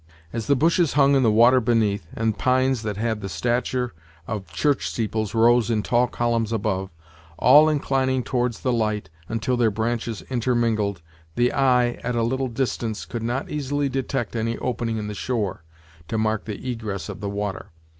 As the bushes hung in the water beneath, and pines that had the stature of church steeples rose in tall columns above, all inclining towards the light, until their branches intermingled, the eye, at a little distance, could not easily detect any opening in the shore, to mark the egress of the water.